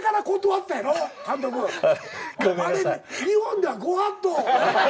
あれ日本ではご法度。